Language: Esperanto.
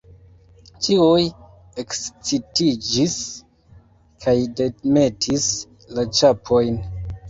Ĉiuj ekscitiĝis kaj demetis la ĉapojn.